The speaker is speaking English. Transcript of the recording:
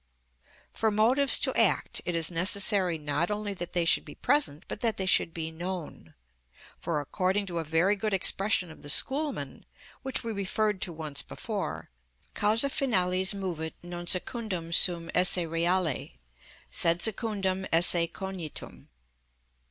_ For motives to act, it is necessary not only that they should be present, but that they should be known; for, according to a very good expression of the schoolmen, which we referred to once before, causa finalis movet non secundum suum esse reale; sed secundum esse cognitum.